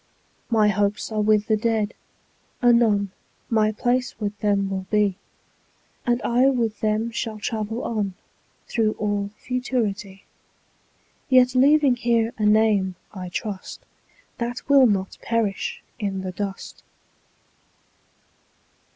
My hopes are with the Dead; anon My place with them will be, 20 And I with them shall travel on Through all Futurity; Yet leaving here a name, I trust, That will not perish in the dust.